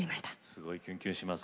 すごいキュンキュンします